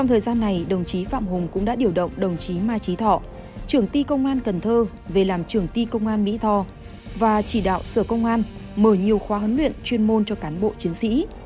ngày sau khi nhận nhiệm vụ bác hai hùng cũng đã điều động đồng chí ma trí thọ trưởng ti công an cần thơ về làm trưởng ti công an mỹ thò và chỉ đạo sửa công an mở nhiều khoa huấn luyện chuyên môn cho cán bộ chiến sĩ